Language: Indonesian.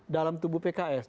dalam tubuh pks